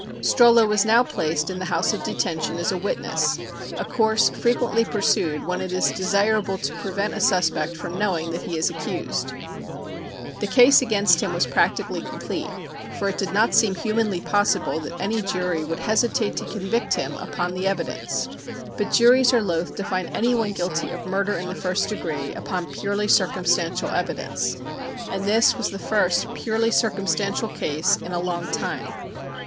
Strollo was now placed in the House of Detention as a "witness," a course frequently pursued when it is desirable to prevent a suspect from knowing that he is accused. The case against him was practically complete, for it did not seem humanly possible, that any jury would hesitate to convict him upon the evidence, but juries are loath to find any one guilty of murder in the first degree upon purely circumstantial evidence, and this was the first purely circumstantial case in a long time.